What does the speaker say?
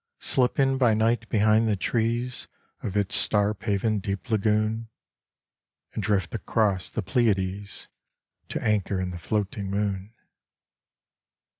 Slip in by night behind the trees Of its star paven deep lagoon, And drift across the Pleiades To anchor in the floating moon.